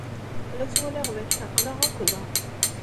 La ttwaliɣ d akken aql-aɣ akk da.